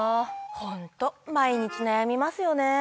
ホント毎日悩みますよね。